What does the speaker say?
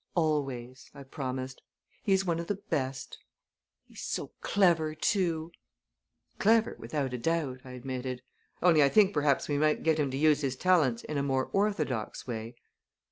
"Always," I promised. "He's one of the best!" "He's so clever, too!" "Clever, without a doubt," I admitted, "only I think perhaps we might get him to use his talents in a more orthodox way.